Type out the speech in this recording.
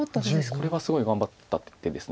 これはすごい頑張った手です。